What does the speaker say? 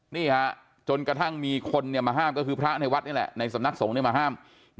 นี่ฮะจนกระทั่งมีคนมาห้ามก็คือพระในวัดนี่แหละในสำนักสงฆ์มาห้าม